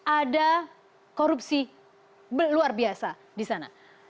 ada korupsi luar biasa di sana